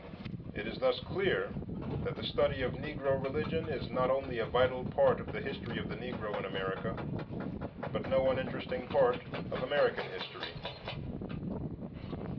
It is thus clear that the study of Negro religion is not only a vital part of the history of the Negro in America, but no uninteresting part of American history.